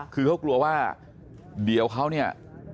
คือเขากลัวว่าเดี๋ยวเขาเนี่ย